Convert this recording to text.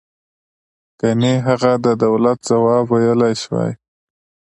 گني هغه د دولت ځواب ویلای شوی.